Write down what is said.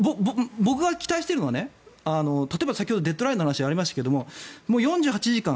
僕が期待しているのは例えば先ほどデッドラインの話がありましたが４８時間。